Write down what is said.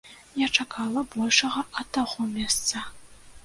Я чакала большага ад таго месца.